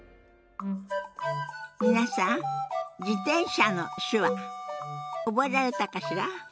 皆さん「自転車」の手話覚えられたかしら？